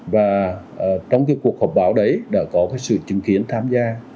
và trong cái cuộc họp báo đấy đã có cái sự chứng kiến tham gia